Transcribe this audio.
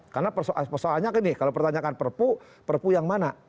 karena persoalannya gini kalau pertanyakan perpu perpu yang mana